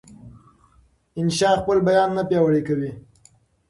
انشا خپل بیان نه پیاوړی کوي.